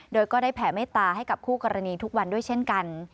โดยก็ได้แผ่เมตตาให้กับคู่กรณีทุกวันด้วยเช่นกัน